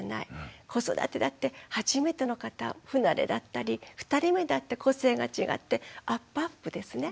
子育てだって初めての方不慣れだったり２人目だって個性が違ってアップアップですね。